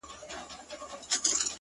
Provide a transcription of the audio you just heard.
خلگو شتنۍ د ټول جهان څخه راټولي كړې!!